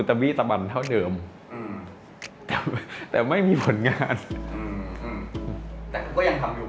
ทีนี้กลับมาที่งานทั้งงานเตรียมงานสายผ้ารวมถึงสะเก็ดแหละ